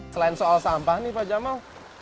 selain soal sampah nih pak jamal